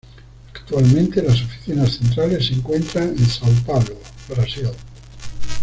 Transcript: Actualmente, las oficinas centrales se encuentran en São Paulo, Brasil.